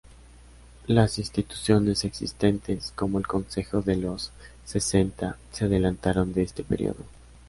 Las instituciones existentes, como el Consejo de los Sesenta, se adelantaron de este período.